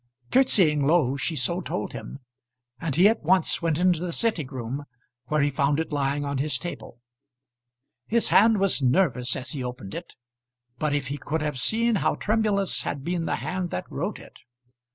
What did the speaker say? Curtsying low she so told him, and he at once went into the sitting room where he found it lying on his table. His hand was nervous as he opened it; but if he could have seen how tremulous had been the hand that wrote it!